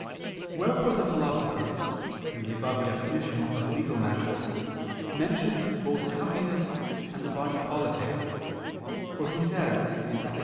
Wherefore the Philosopher, in the above definition of legal matters mentions both happiness and the body politic: for he says (Ethic.